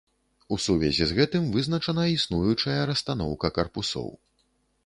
У сувязі з гэтым вызначана існуючая расстаноўка карпусоў.